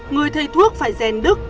người thay thuốc phải rèn đức